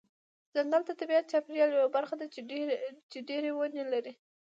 ځنګل د طبیعي چاپیریال یوه برخه ده چې ډیری ونه لري.